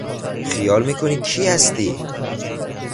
خیال میکنی کی هستی!